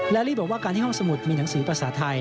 และลี่บอกว่าการที่ห้องสมุดมีหนังสือภาษาไทย